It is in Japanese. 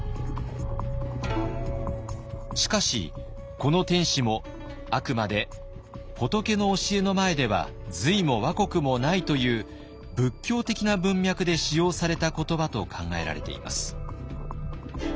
しかしこの「天子」もあくまで「仏の教えの前では隋も倭国もない」という仏教的な文脈で使用された言葉と考えられています。